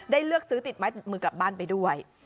เลือกซื้อติดไม้ติดมือกลับบ้านไปด้วย